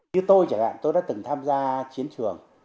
như tôi chẳng hạn tôi đã từng tham gia chiến trường